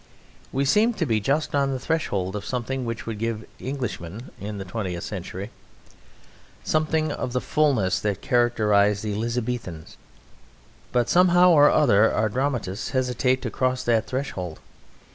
We seem to be just on the threshold of something which would give Englishmen in the twentieth century something of the fullness that characterized the Elizabethans: but somehow or other our dramatists hesitate to cross that threshold.